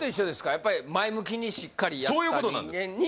やっぱり前向きにしっかりやった人間にそういうことなんです